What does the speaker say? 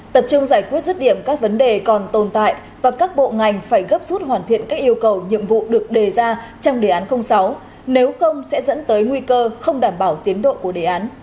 tập trung giải quyết rứt điểm các vấn đề còn tồn tại và các bộ ngành phải gấp rút hoàn thiện các yêu cầu nhiệm vụ được đề ra trong đề án sáu nếu không sẽ dẫn tới nguy cơ không đảm bảo tiến độ của đề án